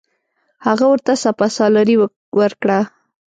هغه ورته سپه سالاري ورکړه.